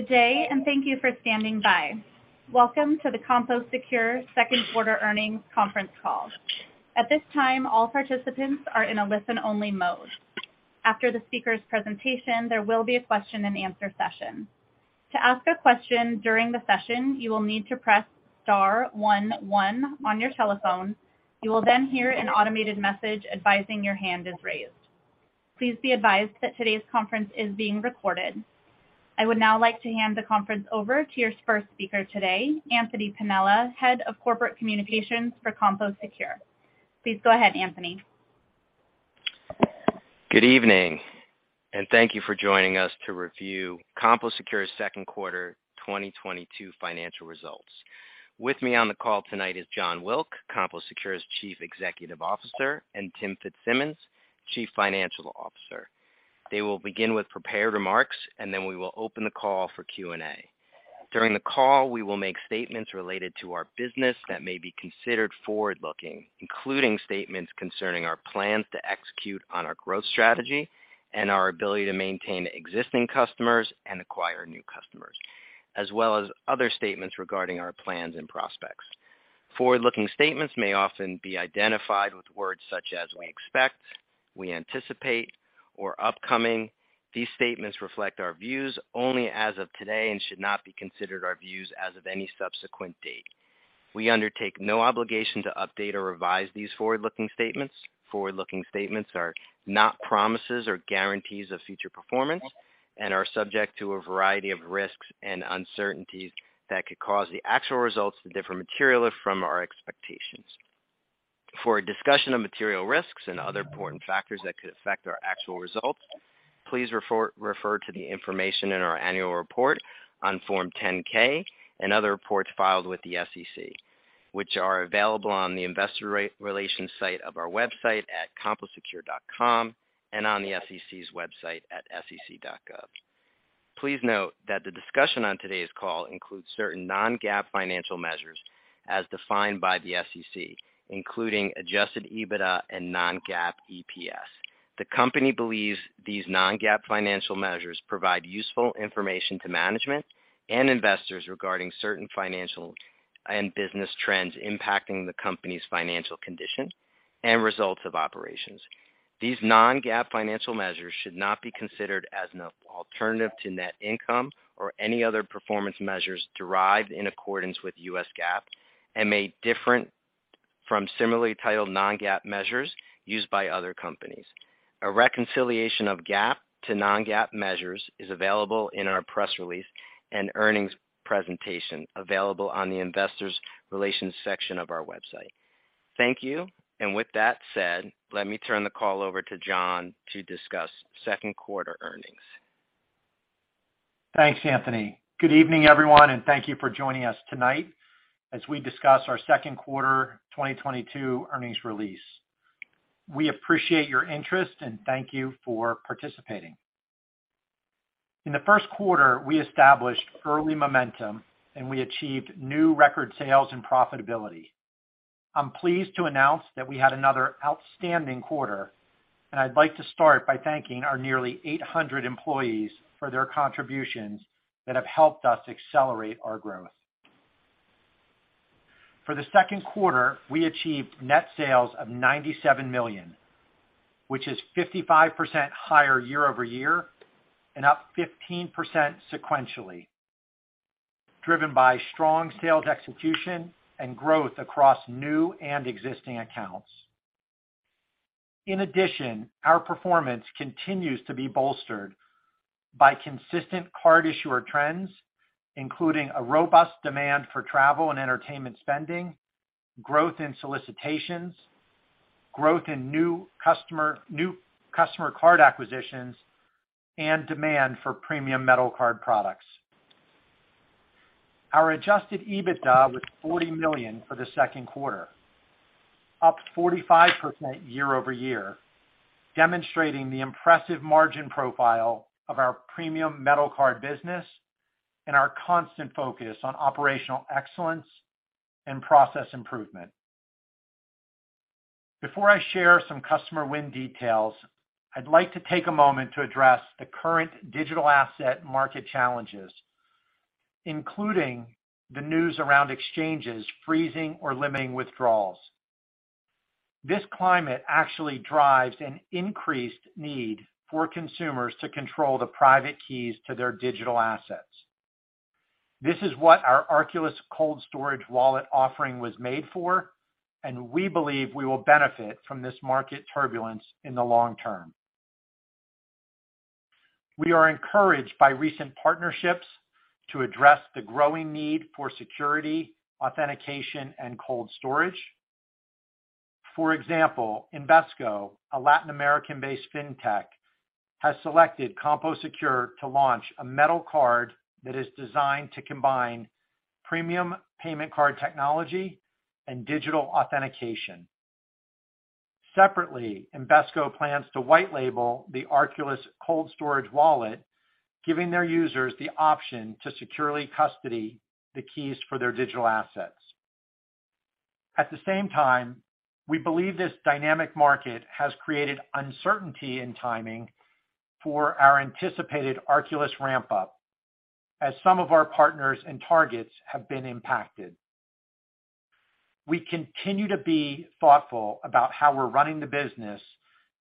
Good day, and thank you for standing by. Welcome to the CompoSecure second quarter earnings conference call. At this time, all participants are in a listen-only mode. After the speaker's presentation, there will be a question-and-answer session. To ask a question during the session, you will need to press star one one on your telephone. You will then hear an automated message advising your hand is raised. Please be advised that today's conference is being recorded. I would now like to hand the conference over to your first speaker today, Anthony Piniella, Head of Corporate Communications for CompoSecure. Please go ahead, Anthony. Good evening, and thank you for joining us to review CompoSecure's second quarter 2022 financial results. With me on the call tonight is Jon Wilk, CompoSecure's Chief Executive Officer, and Tim Fitzsimmons, Chief Financial Officer. They will begin with prepared remarks, and then we will open the call for Q&A. During the call, we will make statements related to our business that may be considered forward-looking, including statements concerning our plans to execute on our growth strategy and our ability to maintain existing customers and acquire new customers, as well as other statements regarding our plans and prospects. Forward-looking statements may often be identified with words such as "we expect," "we anticipate," or "upcoming." These statements reflect our views only as of today and should not be considered our views as of any subsequent date. We undertake no obligation to update or revise these forward-looking statements. Forward-looking statements are not promises or guarantees of future performance and are subject to a variety of risks and uncertainties that could cause the actual results to differ materially from our expectations. For a discussion of material risks and other important factors that could affect our actual results, please refer to the information in our annual report on Form 10-K and other reports filed with the SEC, which are available on the investor relations site of our website at composecure.com and on the SEC's website at sec.gov. Please note that the discussion on today's call includes certain non-GAAP financial measures as defined by the SEC, including Adjusted EBITDA and non-GAAP EPS. The company believes these non-GAAP financial measures provide useful information to management and investors regarding certain financial and business trends impacting the company's financial condition and results of operations. These non-GAAP financial measures should not be considered as an alternative to net income or any other performance measures derived in accordance with U.S. GAAP and may differ from similarly titled non-GAAP measures used by other companies. A reconciliation of GAAP to non-GAAP measures is available in our press release and earnings presentation available on the investor relations section of our website. Thank you. With that said, let me turn the call over to Jon to discuss second quarter earnings. Thanks, Anthony. Good evening, everyone, and thank you for joining us tonight as we discuss our second quarter 2022 earnings release. We appreciate your interest, and thank you for participating. In the first quarter, we established early momentum, and we achieved new record sales and profitability. I'm pleased to announce that we had another outstanding quarter, and I'd like to start by thanking our nearly 800 employees for their contributions that have helped us accelerate our growth. For the second quarter, we achieved net sales of $97 million, which is 55% higher year-over-year and up 15% sequentially, driven by strong sales execution and growth across new and existing accounts. Our performance continues to be bolstered by consistent card issuer trends, including a robust demand for travel and entertainment spending, growth in solicitations, growth in new customer card acquisitions, and demand for premium metal card products. Our Adjusted EBITDA was $40 million for the second quarter, up 45% year-over-year, demonstrating the impressive margin profile of our premium metal card business and our constant focus on operational excellence and process improvement. Before I share some customer win details, I'd like to take a moment to address the current digital asset market challenges, including the news around exchanges freezing or limiting withdrawals. This climate actually drives an increased need for consumers to control the private keys to their digital assets. This is what our Arculus cold storage wallet offering was made for, and we believe we will benefit from this market turbulence in the long term. We are encouraged by recent partnerships to address the growing need for security, authentication, and cold storage. For example, Invex, a Latin American-based fintech, has selected CompoSecure to launch a metal card that is designed to combine premium payment card technology and digital authentication. Separately, Invex plans to white label the Arculus cold storage wallet, giving their users the option to securely custody the keys for their digital assets. At the same time, we believe this dynamic market has created uncertainty in timing for our anticipated Arculus ramp up as some of our partners and targets have been impacted. We continue to be thoughtful about how we're running the business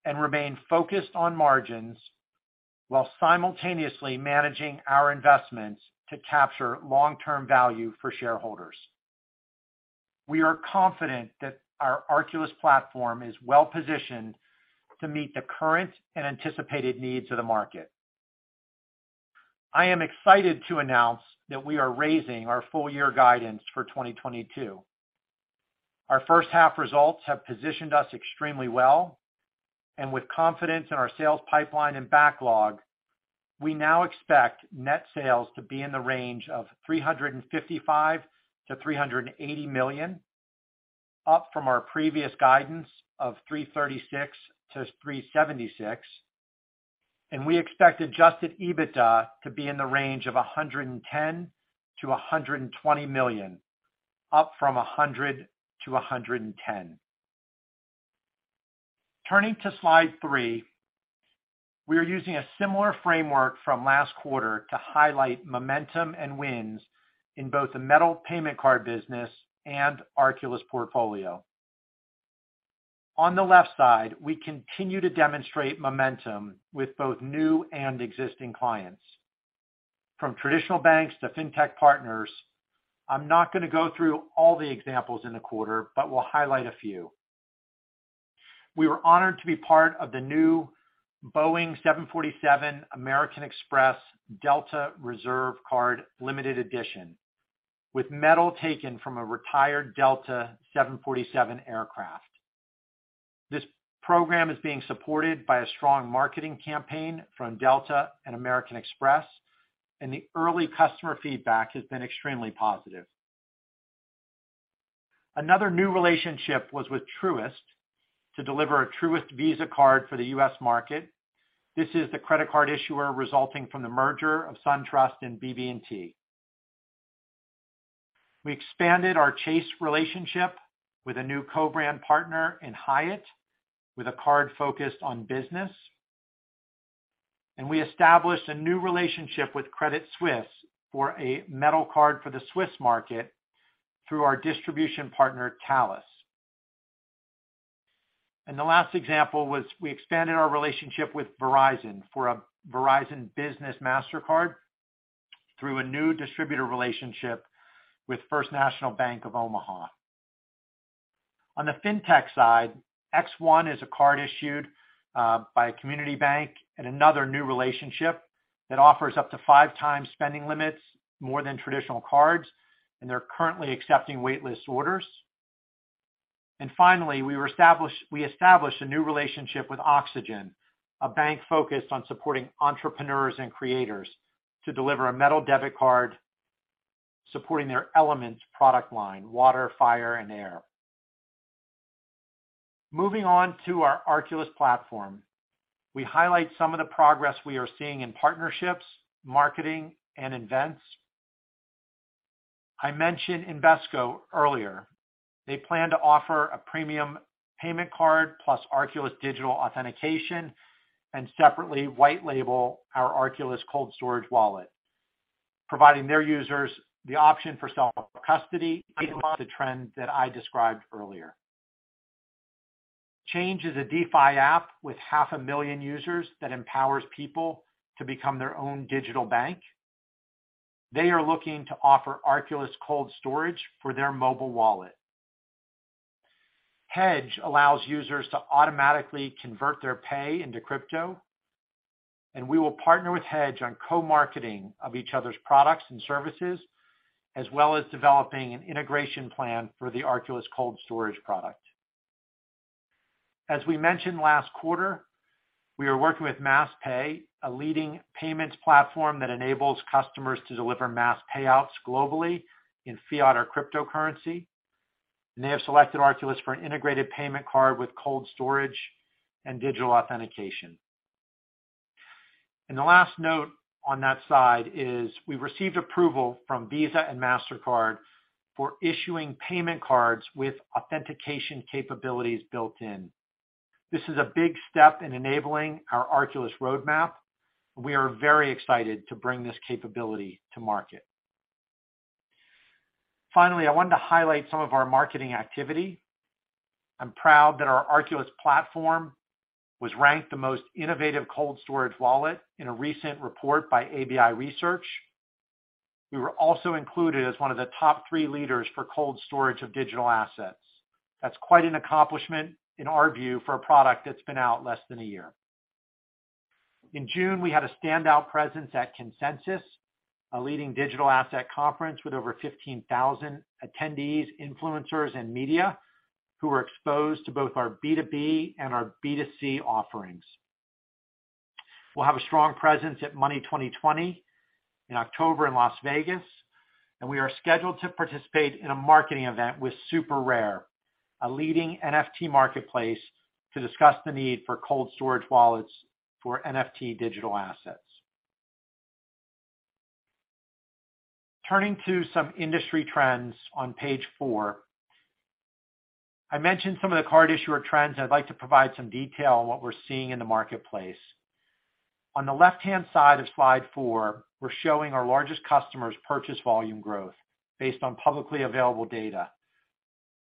and remain focused on margins while simultaneously managing our investments to capture long-term value for shareholders. We are confident that our Arculus platform is well positioned to meet the current and anticipated needs of the market. I am excited to announce that we are raising our full year guidance for 2022. Our first half results have positioned us extremely well, and with confidence in our sales pipeline and backlog, we now expect net sales to be in the range of $355 million-$380 million, up from our previous guidance of $336 million-$376 million. We expect Adjusted EBITDA to be in the range of $110 million-$120 million, up from $100 million-$110 million. Turning to slide three, we are using a similar framework from last quarter to highlight momentum and wins in both the metal payment card business and Arculus portfolio. On the left side, we continue to demonstrate momentum with both new and existing clients, from traditional banks to fintech partners. I'm not going to go through all the examples in the quarter, but will highlight a few. We were honored to be part of the new Boeing 747 American Express Delta Reserve Card Limited Edition with metal taken from a retired Delta 747 aircraft. This program is being supported by a strong marketing campaign from Delta and American Express, and the early customer feedback has been extremely positive. Another new relationship was with Truist to deliver a Truist Visa card for the U.S. market. This is the credit card issuer resulting from the merger of SunTrust and BB&T. We expanded our Chase relationship with a new co-brand partner in Hyatt with a card focused on business. We established a new relationship with Credit Suisse for a metal card for the Swiss market through our distribution partner, Thales. The last example was we expanded our relationship with Verizon for a Verizon Business Mastercard through a new distributor relationship with First National Bank of Omaha. On the fintech side, X1 is a card issued by a community bank and another new relationship that offers up to 5x spending limits more than traditional cards, and they're currently accepting wait list orders. Finally, we established a new relationship with Oxygen, a bank focused on supporting entrepreneurs and creators to deliver a metal debit card supporting their Elements product line, Water, Fire, and Air. Moving on to our Arculus platform. We highlight some of the progress we are seeing in partnerships, marketing, and events. I mentioned Invex earlier. They plan to offer a premium payment card plus Arculus digital authentication, and separately white label our Arculus cold storage wallet, providing their users the option for self-custody in line with the trend that I described earlier. ChangeX is a DeFi app with 500,000 users that empowers people to become their own digital bank. They are looking to offer Arculus cold storage for their mobile wallet. Hedge allows users to automatically convert their pay into crypto, and we will partner with Hedge on co-marketing of each other's products and services, as well as developing an integration plan for the Arculus cold storage product. As we mentioned last quarter, we are working with MassPay, a leading payments platform that enables customers to deliver mass payouts globally in fiat or cryptocurrency, and they have selected Arculus for an integrated payment card with cold storage and digital authentication. The last note on that side is we received approval from Visa and Mastercard for issuing payment cards with authentication capabilities built in. This is a big step in enabling our Arculus roadmap. We are very excited to bring this capability to market. Finally, I wanted to highlight some of our marketing activity. I'm proud that our Arculus platform was ranked the most innovative cold storage wallet in a recent report by ABI Research. We were also included as one of the top three leaders for cold storage of digital assets. That's quite an accomplishment, in our view, for a product that's been out less than a year. In June, we had a standout presence at Consensus, a leading digital asset conference with over 15,000 attendees, influencers, and media who were exposed to both our B2B and our B2C offerings. We'll have a strong presence at Money20/20 in October in Las Vegas, and we are scheduled to participate in a marketing event with SuperRare, a leading NFT marketplace, to discuss the need for cold storage wallets for NFT digital assets. Turning to some industry trends on page four. I mentioned some of the card issuer trends. I'd like to provide some detail on what we're seeing in the marketplace. On the left-hand side of slide 4, we're showing our largest customers purchase volume growth based on publicly available data,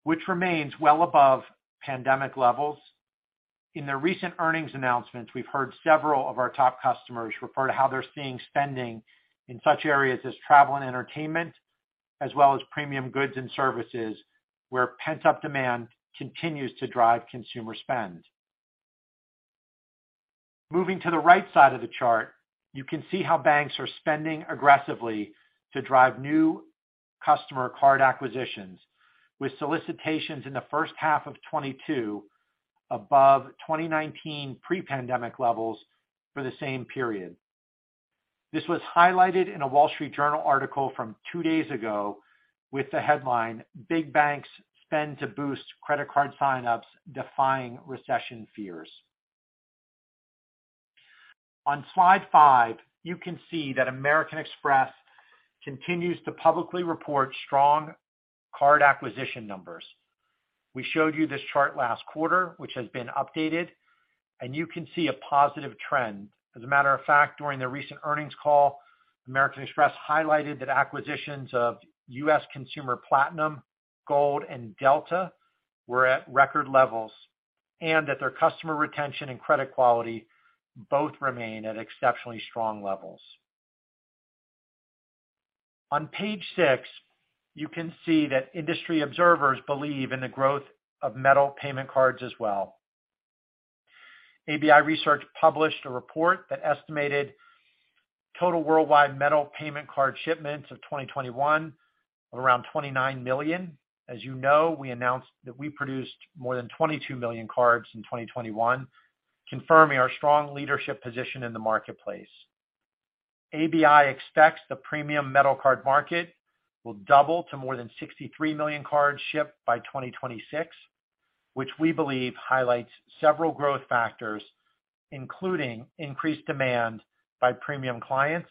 which remains well above pandemic levels. In their recent earnings announcements, we've heard several of our top customers refer to how they're seeing spending in such areas as travel and entertainment, as well as premium goods and services, where pent-up demand continues to drive consumer spend. Moving to the right side of the chart, you can see how banks are spending aggressively to drive new customer card acquisitions with solicitations in the first half of 2022 above 2019 pre-pandemic levels for the same period. This was highlighted in a Wall Street Journal article from two days ago with the headline, "Big Banks Spend to Boost Credit Card Sign-Ups Defying Recession Fears." On slide five, you can see that American Express continues to publicly report strong card acquisition numbers. We showed you this chart last quarter, which has been updated, and you can see a positive trend. As a matter of fact, during their recent earnings call, American Express highlighted that acquisitions of U.S. consumer Platinum, Gold, and Delta were at record levels, and that their customer retention and credit quality both remain at exceptionally strong levels. On page six, you can see that industry observers believe in the growth of metal payment cards as well. ABI Research published a report that estimated total worldwide metal payment card shipments of 2021 of around 29 million. As you know, we announced that we produced more than 22 million cards in 2021, confirming our strong leadership position in the marketplace. ABI expects the premium metal card market will double to more than 63 million cards shipped by 2026, which we believe highlights several growth factors, including increased demand by premium clients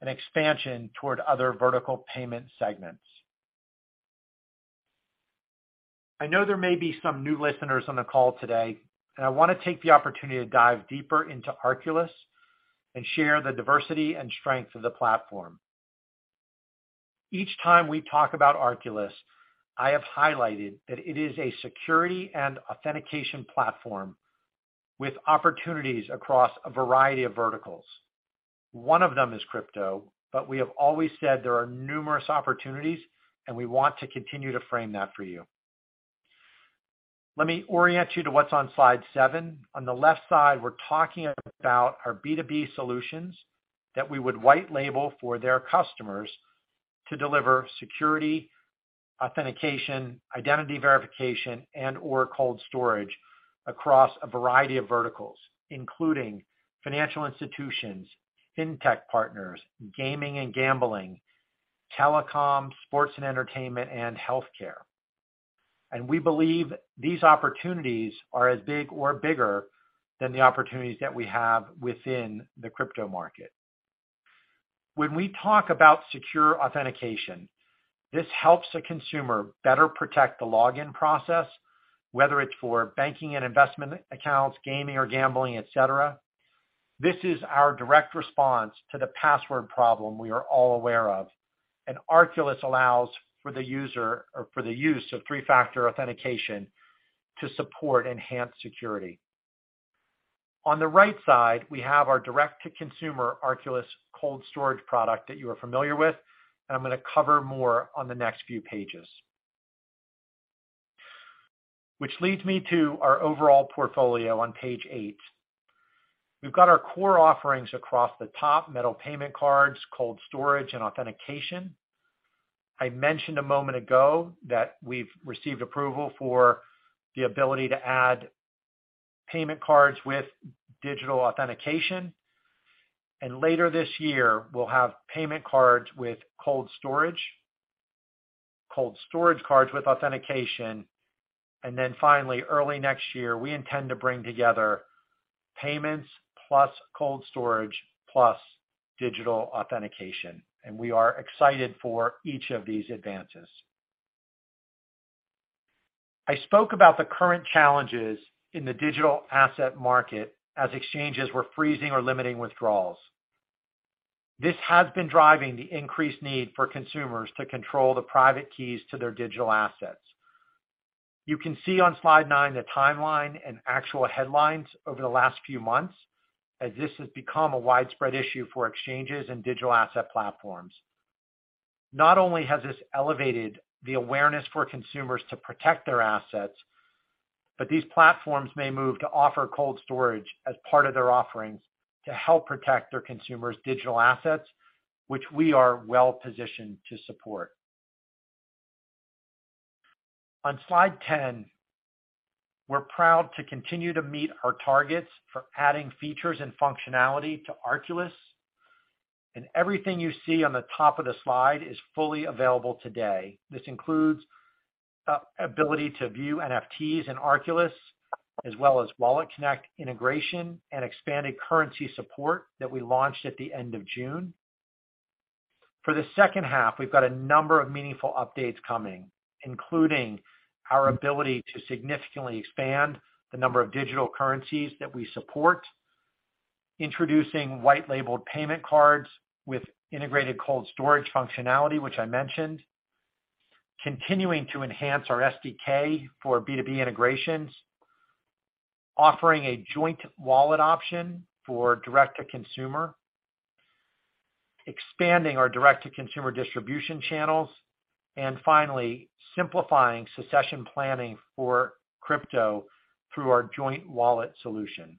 and expansion toward other vertical payment segments. I know there may be some new listeners on the call today, and I want to take the opportunity to dive deeper into Arculus and share the diversity and strength of the platform. Each time we talk about Arculus, I have highlighted that it is a security and authentication platform with opportunities across a variety of verticals. One of them is crypto, but we have always said there are numerous opportunities, and we want to continue to frame that for you. Let me orient you to what's on slide seven. On the left side, we're talking about our B2B solutions that we would white label for their customers to deliver security, authentication, identity verification, and/or cold storage across a variety of verticals, including financial institutions, fintech partners, gaming and gambling, telecom, sports and entertainment, and healthcare. We believe these opportunities are as big or bigger than the opportunities that we have within the crypto market. When we talk about secure authentication, this helps a consumer better protect the login process, whether it's for banking and investment accounts, gaming or gambling, et cetera. This is our direct response to the password problem we are all aware of, and Arculus allows for the user or for the use of three-factor authentication to support enhanced security. On the right side, we have our direct-to-consumer Arculus cold storage product that you are familiar with, and I'm going to cover more on the next few pages. Which leads me to our overall portfolio on page eight. We've got our core offerings across the top, metal payment cards, cold storage, and authentication. I mentioned a moment ago that we've received approval for the ability to add payment cards with digital authentication. Later this year, we'll have payment cards with cold storage, cold storage cards with authentication, and then finally, early next year, we intend to bring together payments plus cold storage plus digital authentication. We are excited for each of these advances. I spoke about the current challenges in the digital asset market as exchanges were freezing or limiting withdrawals. This has been driving the increased need for consumers to control the private keys to their digital assets. You can see on slide nine the timeline and actual headlines over the last few months as this has become a widespread issue for exchanges and digital asset platforms. Not only has this elevated the awareness for consumers to protect their assets, but these platforms may move to offer cold storage as part of their offerings to help protect their consumers' digital assets, which we are well-positioned to support. On slide 10, we're proud to continue to meet our targets for adding features and functionality to Arculus. Everything you see on the top of the slide is fully available today. This includes ability to view NFTs in Arculus as well as WalletConnect integration and expanded currency support that we launched at the end of June. For the second half, we've got a number of meaningful updates coming, including our ability to significantly expand the number of digital currencies that we support, introducing white label payment cards with integrated cold storage functionality, which I mentioned, continuing to enhance our SDK for B2B integrations, offering a joint wallet option for direct to consumer, expanding our direct to consumer distribution channels, and finally, simplifying succession planning for crypto through our joint wallet solution.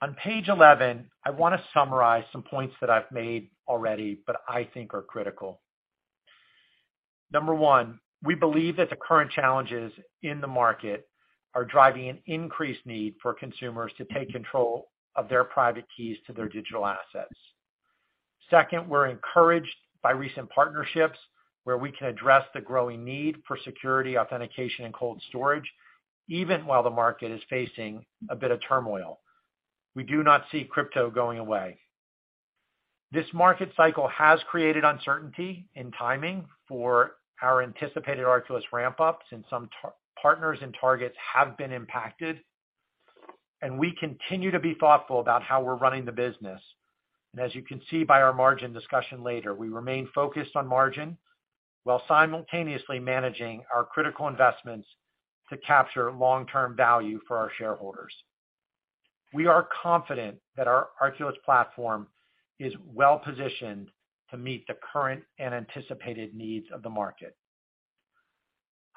On page 11, I wanna summarize some points that I've made already, but I think are critical. Number one, we believe that the current challenges in the market are driving an increased need for consumers to take control of their private keys to their digital assets. Second, we're encouraged by recent partnerships where we can address the growing need for security authentication and cold storage, even while the market is facing a bit of turmoil. We do not see crypto going away. This market cycle has created uncertainty in timing for our anticipated Arculus ramp-ups, and some target partners and targets have been impacted. We continue to be thoughtful about how we're running the business. As you can see by our margin discussion later, we remain focused on margin while simultaneously managing our critical investments to capture long-term value for our shareholders. We are confident that our Arculus platform is well-positioned to meet the current and anticipated needs of the market.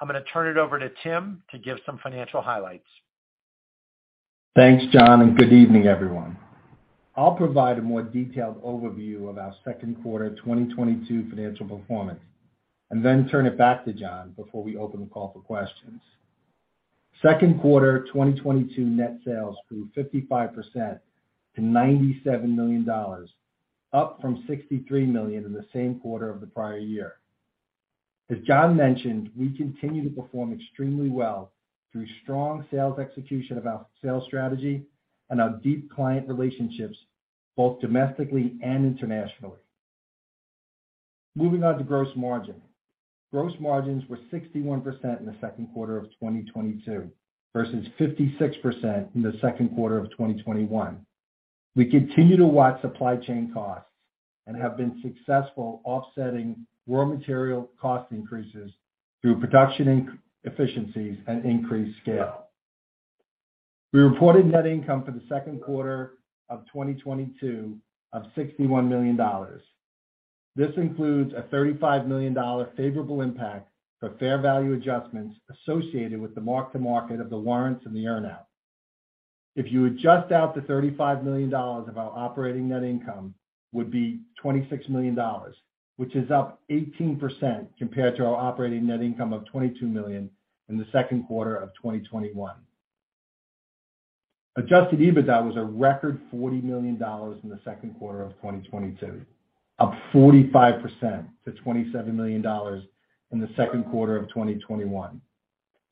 I'm gonna turn it over to Tim to give some financial highlights. Thanks, Jon, and good evening, everyone. I'll provide a more detailed overview of our second quarter 2022 financial performance and then turn it back to Jon before we open the call for questions. Second quarter 2022 net sales grew 55% to $97 million, up from $63 million in the same quarter of the prior year. As Jon mentioned, we continue to perform extremely well through strong sales execution of our sales strategy and our deep client relationships, both domestically and internationally. Moving on to gross margin. Gross margins were 61% in the second quarter of 2022 versus 56% in the second quarter of 2021. We continue to watch supply chain costs and have been successful offsetting raw material cost increases through production efficiencies and increased scale. We reported net income for the second quarter of 2022 of $61 million. This includes a $35 million favorable impact for fair value adjustments associated with the mark to market of the warrants and the earn out. If you adjust out the $35 million dollars of our operating net income would be $26 million dollars, which is up 18% compared to our operating net income of $22 million in the second quarter of 2021. Adjusted EBITDA was a record $40 million dollars in the second quarter of 2022, up 45% to $27 million dollars in the second quarter of 2021.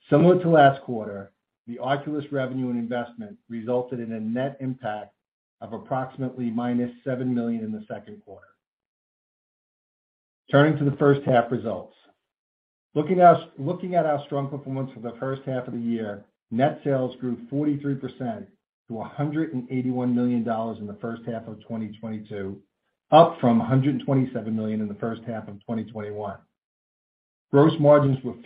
Similar to last quarter, the Arculus revenue and investment resulted in a net impact of approximately $-7 million in the second quarter. Turning to the first half results. Looking at our strong performance for the first half of the year, net sales grew 43% to $181 million in the first half of 2022, up from $127 million in the first half of 2021. Gross margins were 59%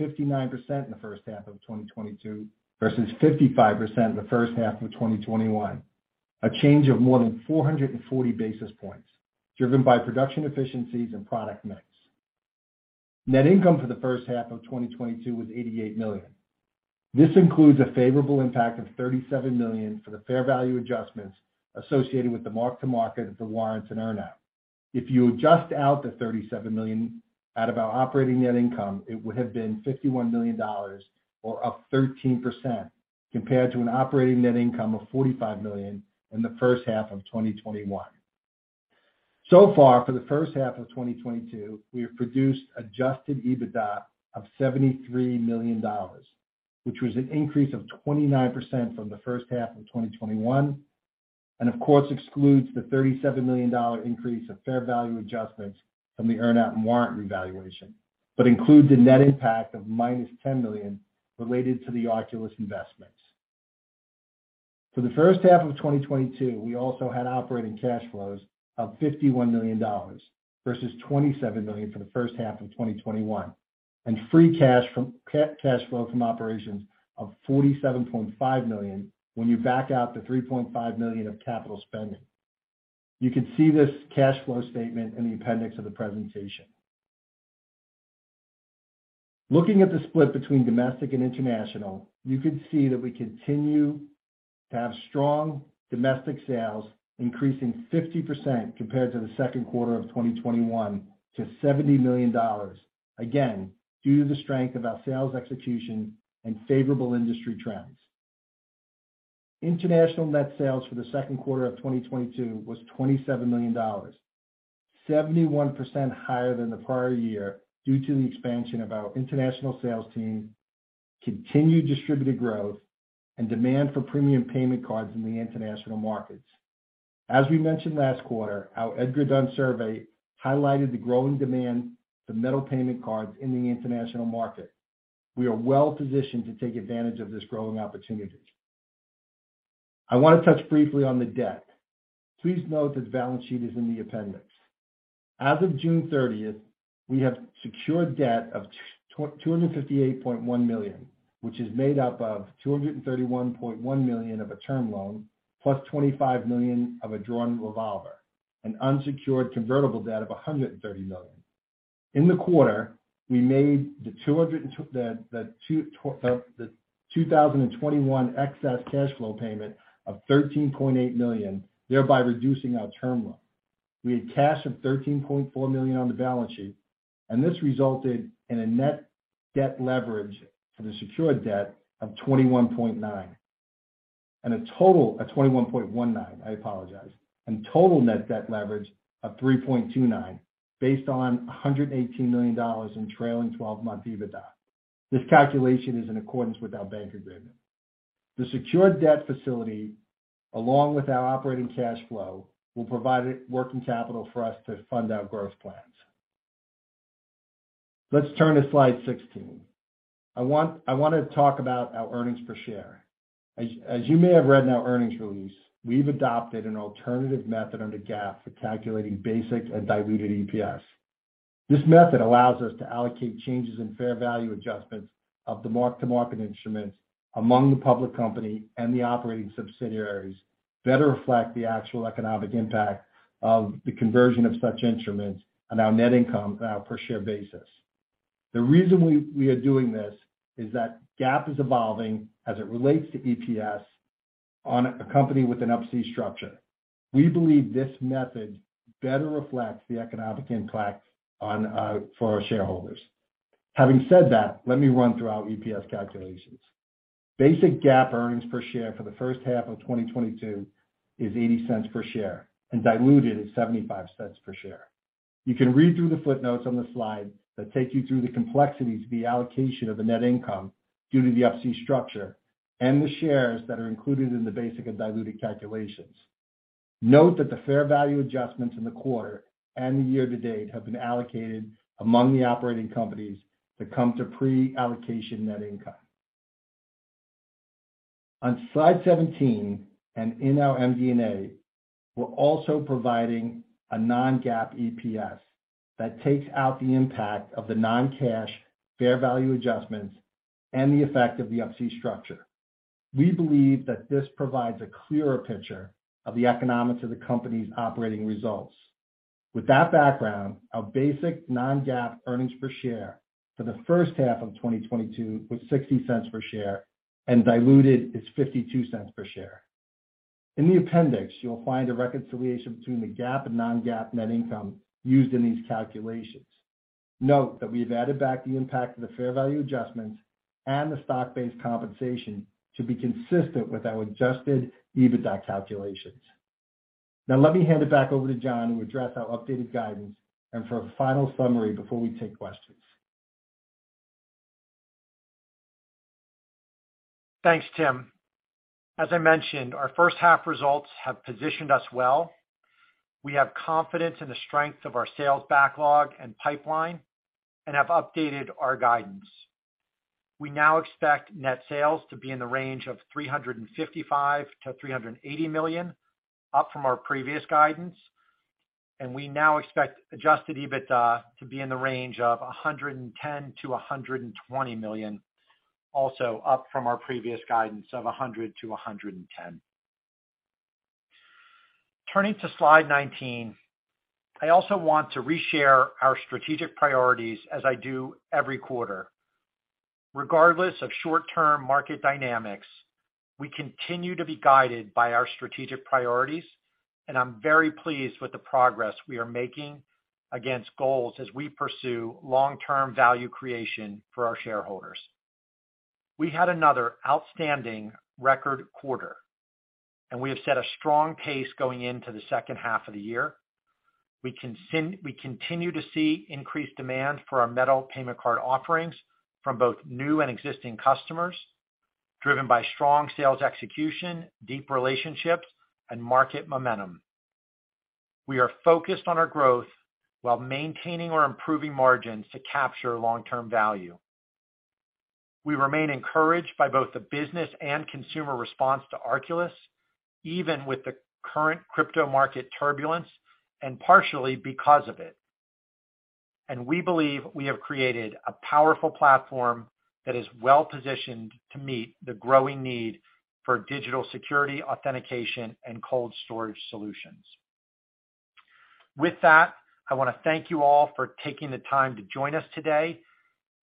in the first half of 2022 versus 55% in the first half of 2021. A change of more than 440 basis points driven by production efficiencies and product mix. Net income for the first half of 2022 was $88 million. This includes a favorable impact of $37 million for the fair value adjustments associated with the mark to market of the warrants and earn out. If you adjust out the 37 million out of our operating net income, it would have been $51 million or up 13% compared to an operating net income of $45 million in the first half of 2021. So far for the first half of 2022, we have produced adjusted EBITDA of $73 million, which was an increase of 29% from the first half of 2021, and of course excludes the $37 million dollar increase of fair value adjustments from the earn out and warrant revaluation, but includes a net impact of $-10 million related to the Arculus investments. For the first half of 2022, we also had operating cash flows of $51 million versus $27 million for the first half of 2021, and free cash flow from operations of $47.5 million when you back out the $3.5 million of capital spending. You can see this cash flow statement in the appendix of the presentation. Looking at the split between domestic and international, you can see that we continue to have strong domestic sales, increasing 50% compared to the second quarter of 2021 to $70 million, again, due to the strength of our sales execution and favorable industry trends. International net sales for the second quarter of 2022 was $27 million. 71% higher than the prior year due to the expansion of our international sales team, continued distributor growth and demand for premium payment cards in the international markets. As we mentioned last quarter, our Edgar, Dunn & Company survey highlighted the growing demand for metal payment cards in the international market. We are well-positioned to take advantage of this growing opportunities. I want to touch briefly on the debt. Please note that the balance sheet is in the appendix. As of June 30th, we have secured debt of $258.1 million, which is made up of $231.1 million of a term loan, $+25 million of a drawn revolver. An unsecured convertible debt of $130 million. The 2021 excess cash flow payment of $13.8 million, thereby reducing our term loan. We had cash of $13.4 million on the balance sheet, and this resulted in a net debt leverage for the secured debt of 2.19 and a total of 2.19. I apologize. Total net debt leverage of 3.29 based on $118 million in trailing twelve-month EBITDA. This calculation is in accordance with our bank agreement. The secured debt facility, along with our operating cash flow, will provide working capital for us to fund our growth plans. Let's turn to slide 16. I want to talk about our earnings per share. As you may have read in our earnings release, we've adopted an alternative method under GAAP for calculating basic and diluted EPS. This method allows us to allocate changes in fair value adjustments of the mark-to-market instruments among the public company and the operating subsidiaries, better reflect the actual economic impact of the conversion of such instruments on our net income on a per share basis. The reason we are doing this is that GAAP is evolving as it relates to EPS on a company with an Up-C structure. We believe this method better reflects the economic impact on for our shareholders. Having said that, let me run through our EPS calculations. Basic GAAP earnings per share for the first half of 2022 is $0.80 per share and diluted is $0.75 per share. You can read through the footnotes on the slide that take you through the complexities of the allocation of the net income due to the Up-C structure and the shares that are included in the basic and diluted calculations. Note that the fair value adjustments in the quarter and the year to date have been allocated among the operating companies that come to pre-allocation net income. On slide 17 and in our MD&A, we're also providing a non-GAAP EPS that takes out the impact of the non-cash fair value adjustments and the effect of the Up-C structure. We believe that this provides a clearer picture of the economics of the company's operating results. With that background, our basic non-GAAP earnings per share for the first half of 2022 was $0.60 per share and diluted is $0.52 per share. In the appendix, you'll find a reconciliation between the GAAP and non-GAAP net income used in these calculations. Note that we have added back the impact of the fair value adjustments and the stock-based compensation to be consistent with our Adjusted EBITDA calculations. Now, let me hand it back over to Jon Wilk to address our updated guidance and for a final summary before we take questions. Thanks, Tim. As I mentioned, our first half results have positioned us well. We have confidence in the strength of our sales backlog and pipeline and have updated our guidance. We now expect net sales to be in the range of $355 million-$380 million, up from our previous guidance, and we now expect Adjusted EBITDA to be in the range of $110 million-$120 million, also up from our previous guidance of $100 million-$110 million. Turning to slide 19, I also want to re-share our strategic priorities as I do every quarter. Regardless of short-term market dynamics, we continue to be guided by our strategic priorities, and I'm very pleased with the progress we are making against goals as we pursue long-term value creation for our shareholders. We had another outstanding record quarter, and we have set a strong pace going into the second half of the year. We continue to see increased demand for our metal payment card offerings from both new and existing customers, driven by strong sales execution, deep relationships, and market momentum. We are focused on our growth while maintaining or improving margins to capture long-term value. We remain encouraged by both the business and consumer response to Arculus, even with the current crypto market turbulence, and partially because of it. We believe we have created a powerful platform that is well-positioned to meet the growing need for digital security, authentication, and cold storage solutions. With that, I want to thank you all for taking the time to join us today.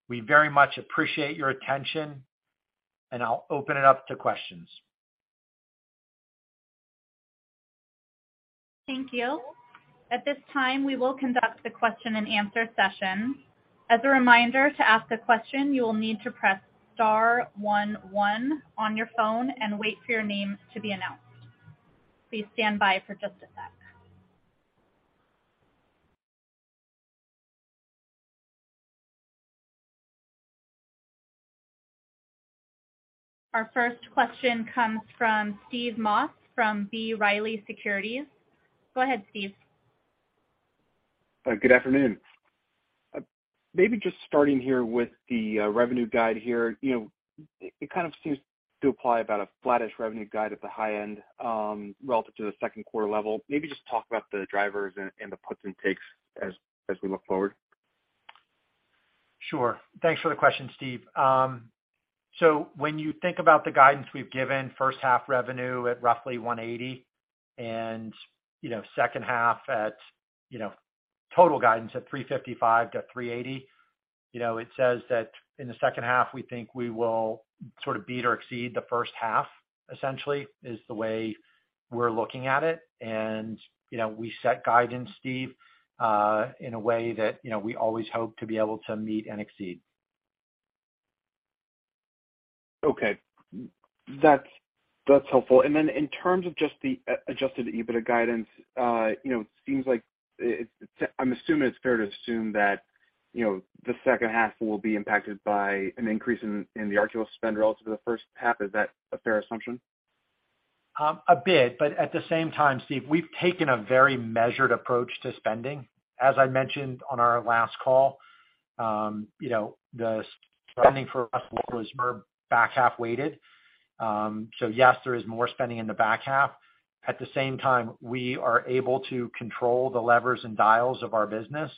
We very much appreciate your attention, and I'll open it up to questions. Thank you. At this time, we will conduct the question and answer session. As a reminder, to ask a question, you will need to press star one one on your phone and wait for your name to be announced. Please stand by for just a sec. Our first question comes from Steve Moss from B. Riley Securities. Go ahead, Steve. Good afternoon. Maybe just starting here with the revenue guide here. You know, it kind of seems to imply about a flattish revenue guide at the high end, relative to the second quarter level. Maybe just talk about the drivers and the puts and takes as we look forward. Sure. Thanks for the question, Steve. So when you think about the guidance we've given, first half revenue at roughly $180 million and, you know, second half at, you know, total guidance at $355 million-$380 million, you know, it says that in the second half, we think we will sort of beat or exceed the first half, essentially, is the way we're looking at it. We set guidance, Steve, in a way that, you know, we always hope to be able to meet and exceed. Okay. That's helpful. In terms of just the Adjusted EBITDA guidance, you know, I'm assuming it's fair to assume that, you know, the second half will be impacted by an increase in the Arculus spend relative to the first half. Is that a fair assumption? A bit, but at the same time, Steve, we've taken a very measured approach to spending. As I mentioned on our last call, you know, the spending for us was more back half weighted. Yes, there is more spending in the back half. At the same time, we are able to control the levers and dials of our business,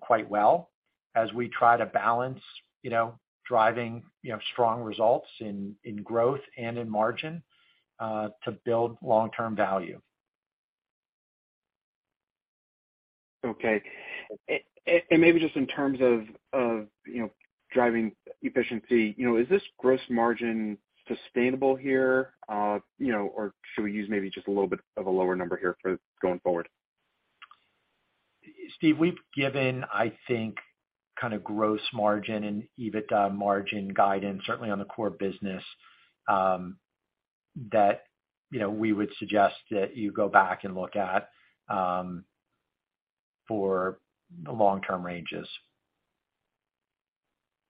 quite well as we try to balance, you know, driving, you know, strong results in growth and in margin, to build long-term value. Okay. Maybe just in terms of, you know, driving efficiency, you know, is this gross margin sustainable here, you know, or should we use maybe just a little bit of a lower number here for going forward? Steve, we've given, I think, kinda gross margin and EBITDA margin guidance, certainly on the core business, that, you know, we would suggest that you go back and look at, for long-term ranges.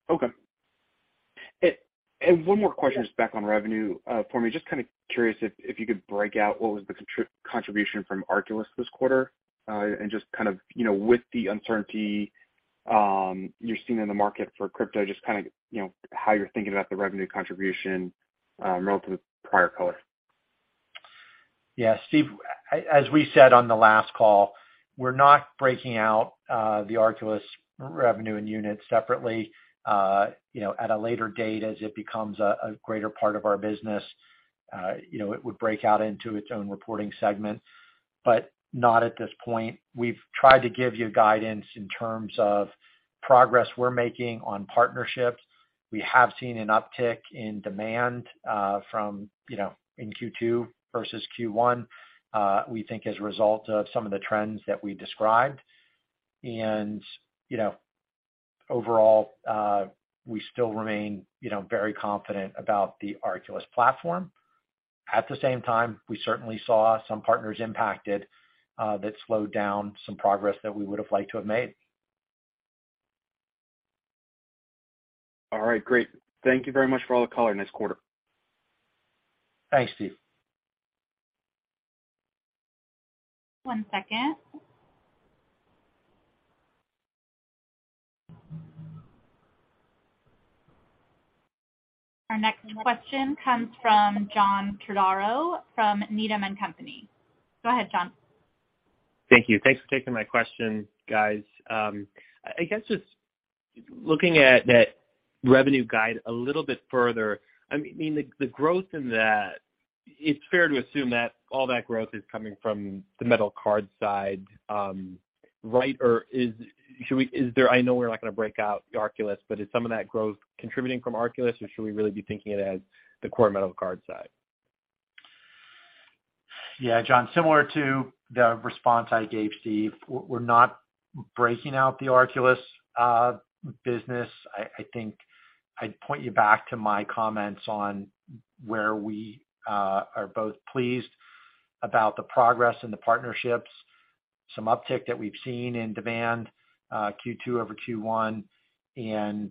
Okay. One more question just back on revenue, for me. Just kinda curious if you could break out what was the contribution from Arculus this quarter, and just kind of, you know, with the uncertainty you're seeing in the market for crypto, just kinda, you know, how you're thinking about the revenue contribution relative to prior quarter. Yeah. Steve, as we said on the last call, we're not breaking out the Arculus revenue and units separately. You know, at a later date, as it becomes a greater part of our business, you know, it would break out into its own reporting segment, but not at this point. We've tried to give you guidance in terms of progress we're making on partnerships. We have seen an uptick in demand from, you know, in Q2 versus Q1, we think as a result of some of the trends that we described. You know, overall, we still remain, you know, very confident about the Arculus platform. At the same time, we certainly saw some partners impacted that slowed down some progress that we would have liked to have made. All right. Great. Thank you very much for all the color. Nice quarter. Thanks, Steve. One second. Our next question comes from John Todaro from Needham & Company. Go ahead, John. Thank you. Thanks for taking my question, guys. I guess just looking at that revenue guide a little bit further, I mean, the growth in that, it's fair to assume that all that growth is coming from the metal card side, right? Or is there? I know we're not gonna break out Arculus, but is some of that growth contributing from Arculus, or should we really be thinking it as the core metal card side? Yeah, John, similar to the response I gave Steve, we're not breaking out the Arculus business. I think I'd point you back to my comments on where we are both pleased about the progress and the partnerships, some uptick that we've seen in demand, Q2 over Q1, and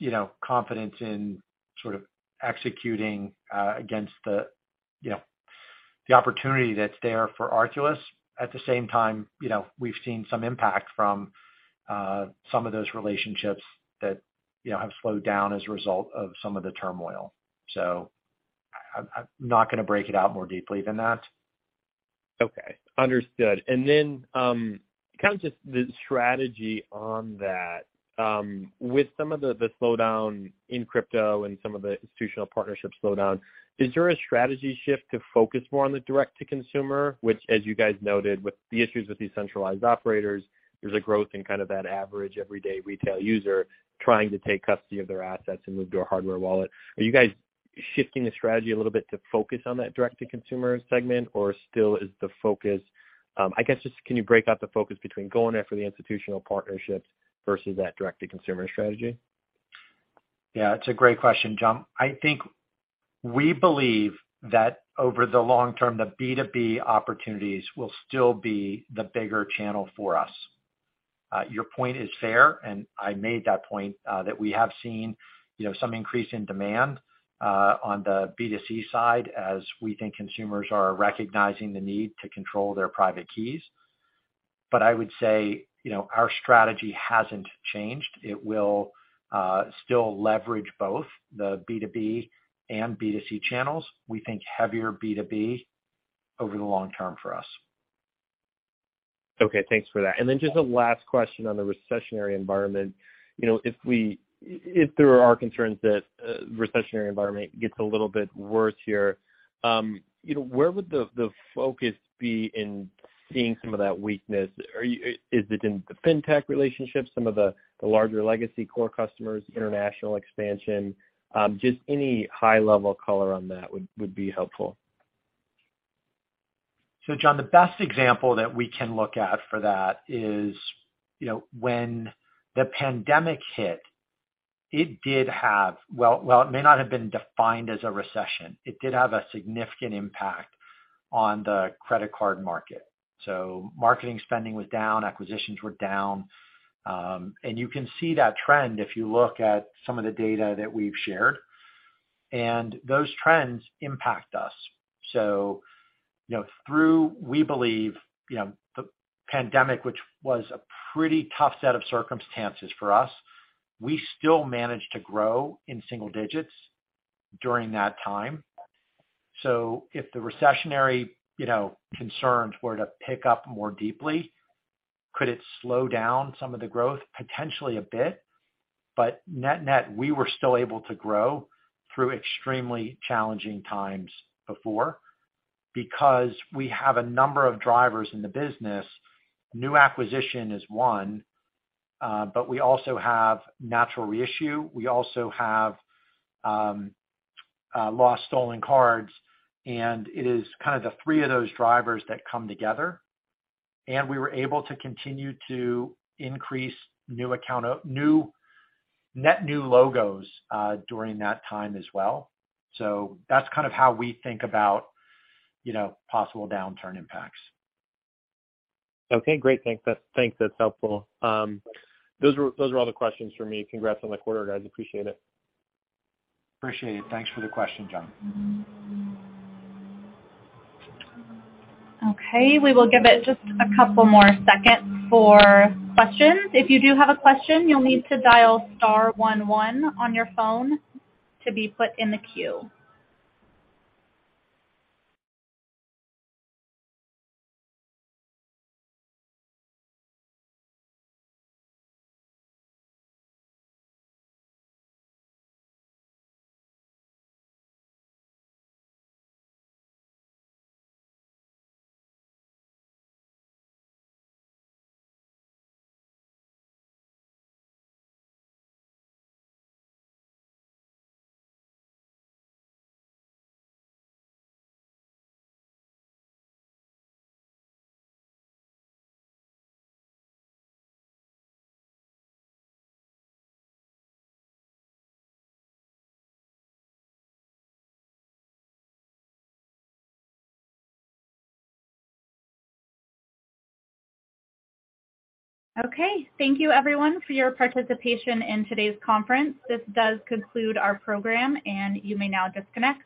you know, confidence in sort of executing against the opportunity that's there for Arculus. At the same time, you know, we've seen some impact from some of those relationships that you know have slowed down as a result of some of the turmoil. I'm not gonna break it out more deeply than that. Okay. Understood. Then, kind of just the strategy on that. With some of the slowdown in crypto and some of the institutional partnership slowdown, is there a strategy shift to focus more on the direct-to-consumer, which as you guys noted, with the issues with decentralized operators, there's a growth in kind of that average everyday retail user trying to take custody of their assets and move to a hardware wallet. Shifting the strategy a little bit to focus on that direct-to-consumer segment or still is the focus? I guess just can you break out the focus between going after the institutional partnerships versus that direct-to-consumer strategy? Yeah, it's a great question, John. I think we believe that over the long term, the B2B opportunities will still be the bigger channel for us. Your point is fair, and I made that point, that we have seen, you know, some increase in demand, on the B2C side as we think consumers are recognizing the need to control their private keys. I would say, you know, our strategy hasn't changed. It will still leverage both the B2B and B2C channels. We think heavier B2B over the long term for us. Okay. Thanks for that. Just a last question on the recessionary environment. You know, if there are concerns that recessionary environment gets a little bit worse here, you know, where would the focus be in seeing some of that weakness? Is it in the fintech relationships, some of the larger legacy core customers, international expansion? Just any high-level color on that would be helpful. John, the best example that we can look at for that is, you know, when the pandemic hit, it did have well, it may not have been defined as a recession. It did have a significant impact on the credit card market. Marketing spending was down, acquisitions were down. You can see that trend if you look at some of the data that we've shared. Those trends impact us. You know, through, we believe, you know, the pandemic, which was a pretty tough set of circumstances for us, we still managed to grow in single digits during that time. If the recessionary, you know, concerns were to pick up more deeply, could it slow down some of the growth? Potentially a bit. Net-net, we were still able to grow through extremely challenging times before because we have a number of drivers in the business. New acquisition is one, but we also have natural reissue. We also have lost stolen cards, and it is kind of the three of those drivers that come together. We were able to continue to increase net new logos during that time as well. That's kind of how we think about, you know, possible downturn impacts. Okay, great. Thanks. That, I think that's helpful. Those were all the questions for me. Congrats on the quarter, guys. Appreciate it. Appreciate it. Thanks for the question, John. Okay. We will give it just a couple more seconds for questions. If you do have a question, you'll need to dial star one one on your phone to be put in the queue. Okay, thank you everyone for your participation in today's conference. This does conclude our program, and you may now disconnect.